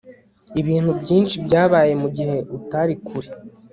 Ibintu byinshi byabaye mugihe utari kure